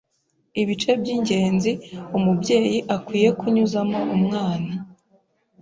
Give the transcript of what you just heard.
Ibice by’ingenzi umubyeyi akwiye kunyuzamo umwana